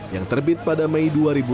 yang terbit pada mei dua ribu dua puluh